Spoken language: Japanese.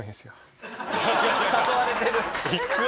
誘われてる。